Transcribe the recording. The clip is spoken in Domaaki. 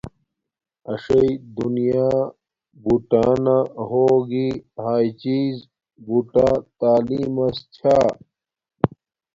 اݽݵ دونیا بوٹانہ ہوگی ہاݵ چیز بوٹا تعلیم مس چھا